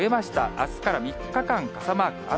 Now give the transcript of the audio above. あすから３日間、傘マーク、雨。